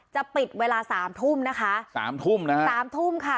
จะปิดเวลาสามทุ่มนะคะสามทุ่มนะคะสามทุ่มค่ะ